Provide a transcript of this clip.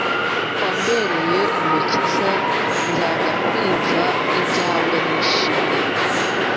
Wambereye umukiza nzajya nkwiza ibyawe nishimye